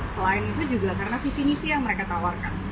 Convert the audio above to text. selain itu juga karena visi misi yang mereka tawarkan